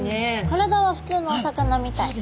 体は普通のお魚みたい。